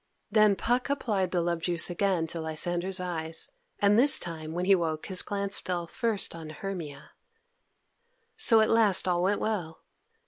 Then Puck applied the love juice again to Lysander's eyes, and this time when he woke his glance fell first on Hermia, so at last all went well.